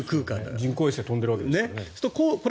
人工衛星が飛んでるわけですからね。